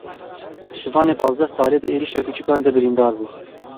Şivanê panzdeh salî di êrişa kûçikan de birîndar bû.